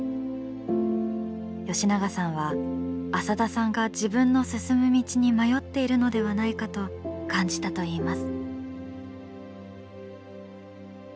吉永さんは浅田さんが自分の進む道に迷っているのではないかと感じたといいます。